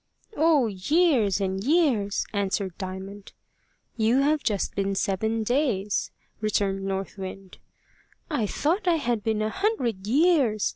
"Oh! years and years," answered Diamond. "You have just been seven days," returned North Wind. "I thought I had been a hundred years!"